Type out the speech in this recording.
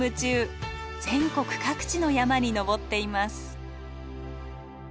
全国各地の山に登っています。